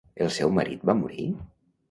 El seu marit va morir?